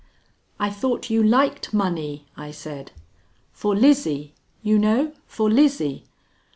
"I thought you liked money," I said. "For Lizzie, you know, for Lizzie."